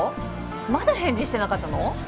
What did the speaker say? まだ返事してなかったの？